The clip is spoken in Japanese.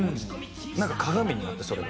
なんか鏡になってそれが。